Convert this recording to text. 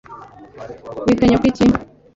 Wita nyoko iki